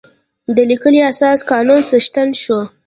د لیکلي اساسي قانون څښتن شو.